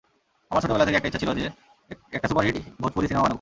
আমার ছোটবেলা থেকে একটা ইচ্ছা ছিল যে, একটা সুপার হিট ভোজপুরি সিনেমা বানাবো।